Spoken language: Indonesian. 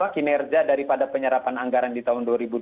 kinerja daripada penyerapan anggaran di tahun dua ribu dua puluh